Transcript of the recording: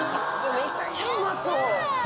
めっちゃうまそう。